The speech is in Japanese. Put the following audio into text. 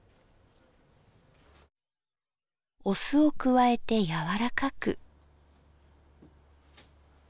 お酢を加えて柔らかく。